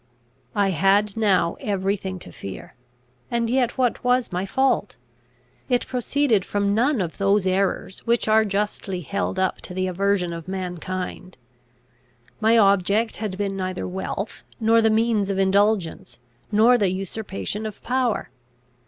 I had now every thing to fear. And yet what was my fault? It proceeded from none of those errors which are justly held up to the aversion of mankind; my object had been neither wealth, nor the means of indulgence, nor the usurpation of power.